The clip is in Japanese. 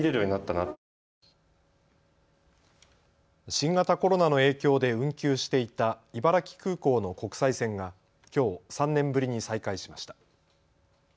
新型コロナの影響で運休していた茨城空港の国際線がきょう３年ぶりに再開しました。